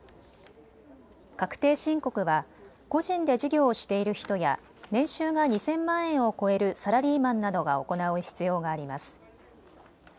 確定申告は個人で事業をしている人や年収が２０００万円を超えるサラリーマンなどが行う必要があります。